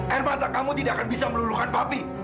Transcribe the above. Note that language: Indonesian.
air mata kamu tidak akan bisa meluluhkan papi